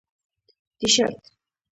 👕 تیشرت